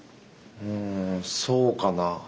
うんそうかな。